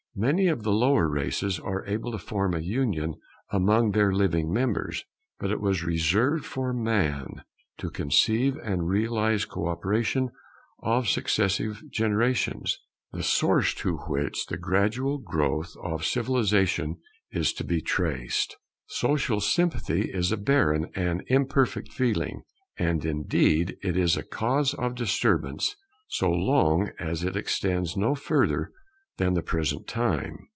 Many of the lower races are able to form a union among their living members; but it was reserved for Man to conceive and realize co operation of successive generations, the source to which the gradual growth of civilization is to be traced. Social sympathy is a barren and imperfect feeling, and indeed it is a cause of disturbance, so long as it extends no further than the present time.